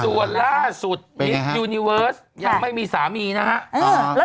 ส่วนล่าสุดมิสยูนิเวิร์สยังไม่มีสามีนะฮะ